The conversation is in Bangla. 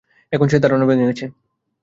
এখন সে ধারণা ভেঙে গেছে।